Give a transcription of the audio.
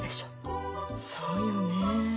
そうよね。